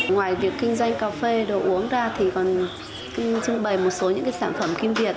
ngoài việc kinh doanh cà phê đồ uống ra thì còn trưng bày một số những sản phẩm kim việt